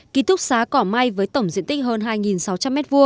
ký thúc xá cỏ may với tổng diện tích hơn hai sáu trăm linh m hai